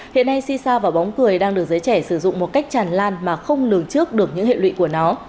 hiện nay si sao và bóng cười đang được giới trẻ sử dụng một cách tràn lan mà không lường trước được những hệ lụy của nó